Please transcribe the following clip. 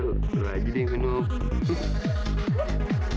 boleh gabung gak